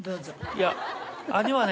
いや兄はね